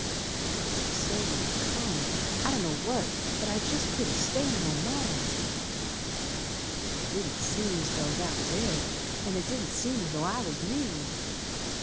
All of a sudden it come, I don't know what, But I jest couldn't stand no more. It didn't seem 's though that was Ed, An' it didn't seem as though I was me.